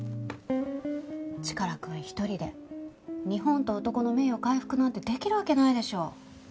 チカラくん一人で日本と男の名誉回復なんてできるわけないでしょ。